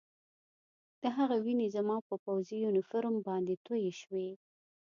د هغه وینې زما په پوځي یونیفورم باندې تویې شوې